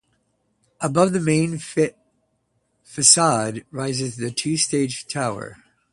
Above the main facade rises a two-stage tower.